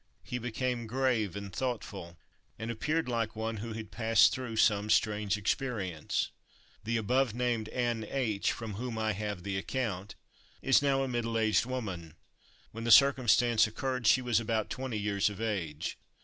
He became grave and thoughtful, and appeared like one who had passed through some strange experience. The above named Ann H——, from whom I have the account, is now a middle aged woman. When the circumstance occurred, she was about twenty years of age.